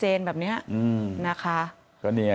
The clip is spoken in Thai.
จังหวัดสุราชธานี